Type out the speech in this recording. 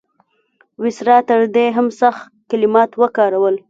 وایسرا تر دې هم سخت کلمات وکارول.